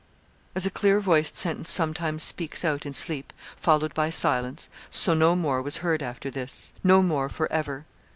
As a clear voiced sentence sometimes speaks out in sleep, followed by silence, so no more was heard after this no more for ever.